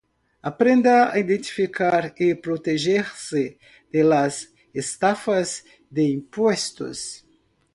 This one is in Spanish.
Aprenda a identificar y protegerse de las estafas de impuestos.